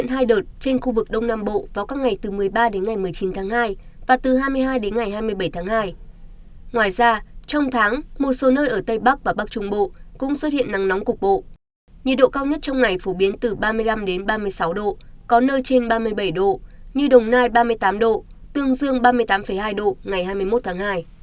nhiệt độ cao nhất trong ngày phổ biến từ ba mươi năm ba mươi sáu độ có nơi trên ba mươi bảy độ như đồng nai ba mươi tám độ tương dương ba mươi tám hai độ ngày hai mươi một tháng hai